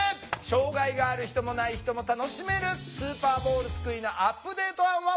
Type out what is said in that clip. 障害がある人もない人も楽しめるスーパーボールすくいのアップデート案は？